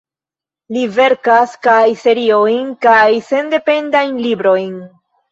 Li verkas kaj seriojn kaj sendependajn librojn.